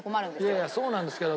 いやいやそうなんですけど。